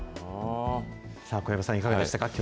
さあ、小籔さん、いかがでしたか？